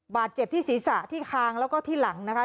บาดเจ็บที่ศีรษะที่คางแล้วก็ที่หลังนะคะ